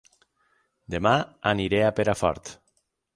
Dema aniré a Perafort